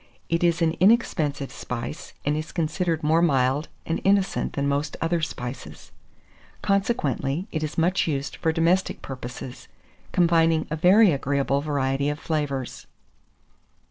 It is an inexpensive spice, and is considered more mild and innocent than most other spices; consequently, it is much used for domestic purposes, combining a very agreeable variety of flavours.